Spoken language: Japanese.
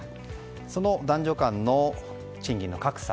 その男女間の賃金の格差